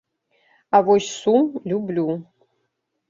А вось сум люблю.